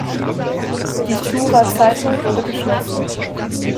Die «Churer Zeitung» wurde geschlossen.